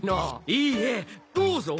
いいえどうぞ。